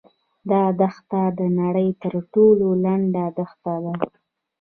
دا دښته د نړۍ تر ټولو لنډه دښته ده.